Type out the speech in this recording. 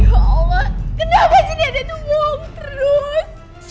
ya allah kenapa sih nenek tuh bohong terus